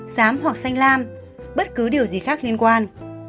sám hoặc xanh lam bất cứ điều gì khác liên quan